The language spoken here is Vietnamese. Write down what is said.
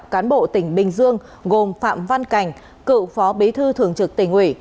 cán bộ tỉnh bình dương gồm phạm văn cảnh cựu phó bí thư thường trực tỉnh ủy